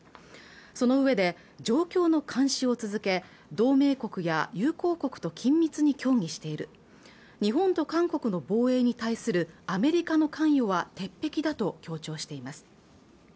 そのうえで状況の監視を続け同盟国や友好国と緊密に協議している日本と韓国の防衛に対するアメリカの関与は鉄壁だと強調しています